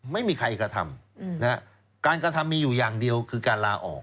ไม่มีใครกระทำการกระทำมีอยู่อย่างเดียวคือการลาออก